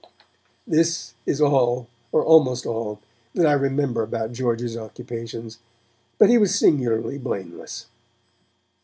This is all, or almost all, that I remember about George's occupations, but he was singularly blameless.